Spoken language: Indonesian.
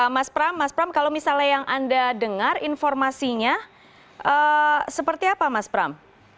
mas pram mas pram kalau misalnya yang anda dengar informasinya seperti apa mas pram